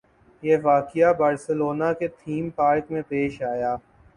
یہ واقعہ بارسلونا کے تھیم پارک میں پیش آیا